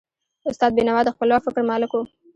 استاد بینوا د خپلواک فکر مالک و.